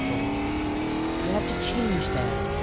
ssels. You have to change there.